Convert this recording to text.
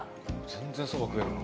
全然そば食えるな。